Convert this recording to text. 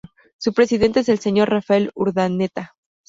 Su presidente es el señor Rafael Urdaneta.